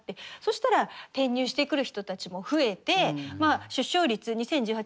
したら転入してくる人たちも増えて出生率